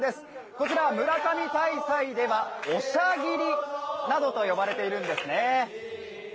こちら、村上大祭ではおしゃぎりなどと呼ばれているんですね。